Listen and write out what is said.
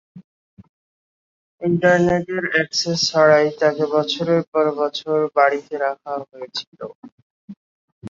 ইন্টারনেটের অ্যাক্সেস ছাড়াই তাকে বছরের পর বছর বাড়িতে রাখা হয়েছিল।